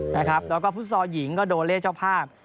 แล้วก็ฟุตซอลหญิงก็โดเล่เจ้าภาพ